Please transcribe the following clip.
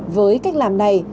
với cách làm này